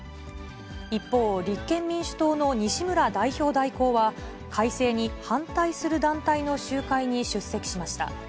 一方、立憲民主党の西村代表代行は改正に反対する団体の集会に出席しました。